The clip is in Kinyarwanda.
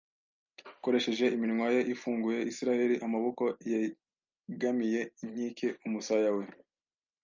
akoresheje iminwa ye ifunguye; Isiraheli Amaboko yegamiye inkike, umusaya we